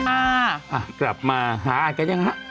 อ่ะกลับมาหารอันใกล้ยังฮะ